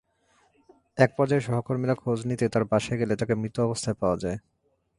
একপর্যায়ে সহকর্মীরা খোঁজ নিতে তাঁর বাসায় গেলে তাঁকে মৃত অবস্থায় পাওয়া যায়।